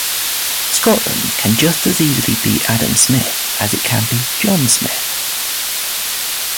'Scotland' can just as easily be Adam Smith as it can be John Smith.